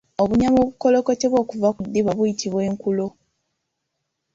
Obunyama obukolokotebwa okuva mu ddiba buyitibwa Enkulo.